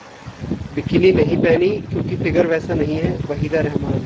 bikini नहीं पहनी, क्योंकि फिगर वैसा नहीं है: वहीदा रहमान